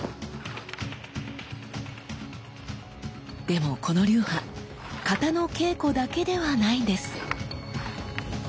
でもこの流派型の稽古だけではないんです。